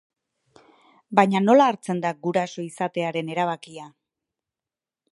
Baina nola hartzen da guraso izatearen erabakia?